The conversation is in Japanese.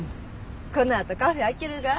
このあとカフェ開けるが？